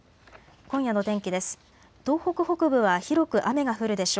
今夜の天気です。